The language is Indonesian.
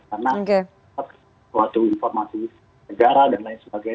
karena waktu informasi negara dan lain sebagainya